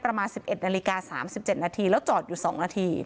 ประมาณ๑๑นาฬิกา๓๗นาทีแล้วจอดอยู่๒นาที